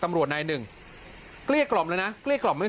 ตำรวจนายหนึ่งเกลี้ยกล่อมแล้วนะเกลี้ยกล่อมไม่